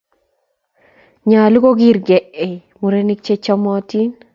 nyoluu kokirgei murenik che chemoitin